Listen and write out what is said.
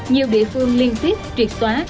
nhiều địa phương liên tiếp triệt xóa